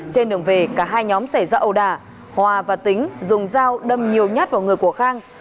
trên đường về cả hai nhóm xảy ra ầu đà hòa và tính dùng dao đâm nhiều nhát vào người của khang